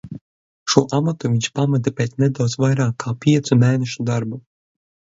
Šo amatu viņš pameta pēc nedaudz vairāk kā piecu mēnešu darba.